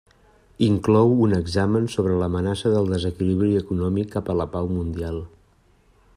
Inclou un examen sobre l'amenaça del desequilibri econòmic cap a la pau mundial.